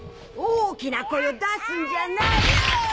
大きな声を出すんじゃないよ！